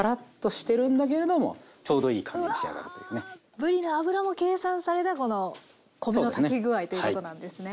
ぶりの脂も計算されたこの米の炊き具合ということなんですね。